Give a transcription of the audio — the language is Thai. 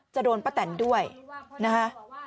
โดนป้าแตนด้วยนะคะ